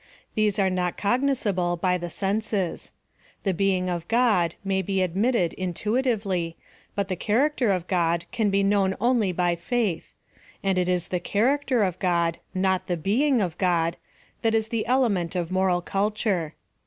These are not cognizable by the senses. The being of God may be admitted intu itively, but the character of God can be known only by faith ; and it is the character of God, not THE BEING OF GoD, that is the element of moral culture.